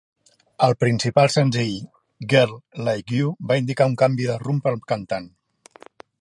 El principal senzill "Girl Like You" va indicar un canvi de rumb per al cantant.